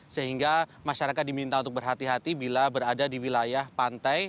sehingga masyarakat diminta untuk berhati hati bila berada di wilayah pantai